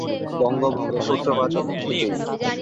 বঙ্গভঙ্গের সূত্রপাত এখান থেকেই।